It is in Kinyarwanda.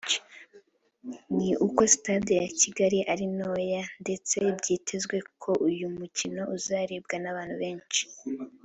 ni uko Stade ya Kigali ari ntoya ndetse byitezwe ko uyu mukino uzarebwa n’abantu benshi